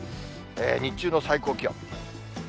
日中の最高気温。